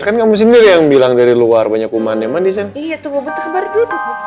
kan kamu sendiri yang bilang dari luar banyak umannya manisnya iya tuh baru